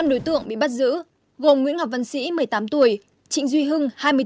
năm đối tượng bị bắt giữ gồm nguyễn ngọc văn sĩ một mươi tám tuổi trịnh duy hưng hai mươi bốn tuổi